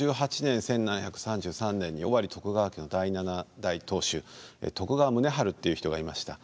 享保１８年１７３３年に尾張徳川家第七代当主徳川宗春という人がいました。